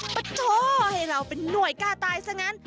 ปะโชให้เราเป็นหน่วยกล้าตายซะงั้น